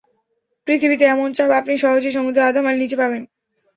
পৃথিবীতে এমন চাপ আপনি সহজেই সমুদ্রের আধা-মাইল নিচে পাবেন।